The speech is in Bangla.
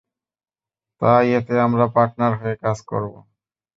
তাই এতে আমরা পার্টনার হয়ে কাজ করবো।